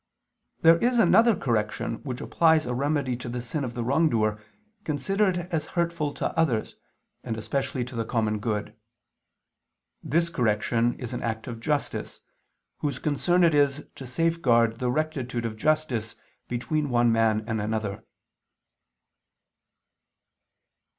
There is another correction which applies a remedy to the sin of the wrongdoer, considered as hurtful to others, and especially to the common good. This correction is an act of justice, whose concern it is to safeguard the rectitude of justice between one man and another.